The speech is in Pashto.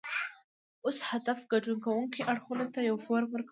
لومړی هدف ګډون کوونکو اړخونو ته یو فورم ورکول دي